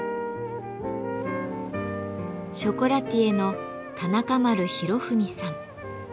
ショコラティエの田中丸博文さん。